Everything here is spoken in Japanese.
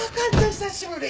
久しぶり。